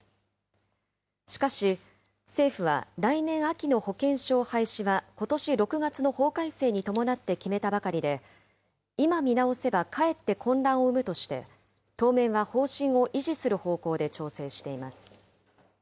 しかし、政府は来年秋の保険証廃止はことし６月の法改正に伴って決めたばかりで、今見直せばかえって混乱を生むとして、当面は方針を維持する方向で調整しています。